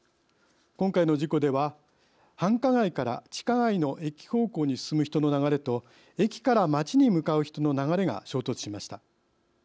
今回の事故では繁華街から地下街の駅方向に進む人の流れと駅から街に向かう人の流れが衝突しました。